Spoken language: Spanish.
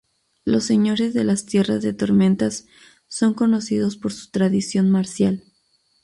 Los señores de las Tierras de Tormentas son conocidos por su tradición marcial.